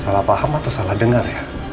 salah paham atau salah dengar ya